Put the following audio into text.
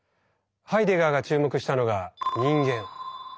ハイデガーが注目したのが「人間」。